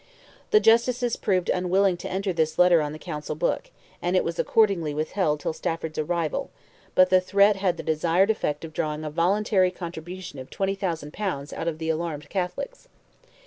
The Justices proved unwilling to enter this letter on the Council book, and it was accordingly withheld till Stafford's arrival, but the threat had the desired effect of drawing "a voluntary contribution" of 20,000 pounds out of the alarmed Catholics.